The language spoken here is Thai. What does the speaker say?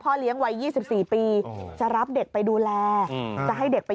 พ่อเลี้ยงวัยยี่สิบสี่ปีจะรับเด็กไปดูแลจะให้เด็กไป